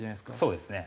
そうですね。